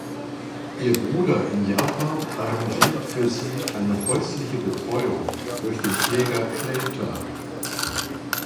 Ihr Bruder in Japan arrangiert für sie eine häusliche Betreuung durch den Pfleger Clayton.